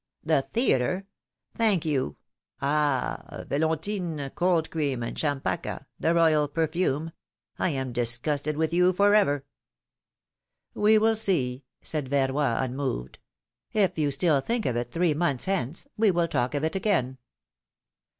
^^ ^'The theatre? Thank you! Ah! Velontine, Cold Cream, and Champaka — the royal perfume — I am dis gusted with you forever!'^ ^^We will see!'' said Verroy, unmoved. ^^If you still think of it three months hence, we will talk of it again."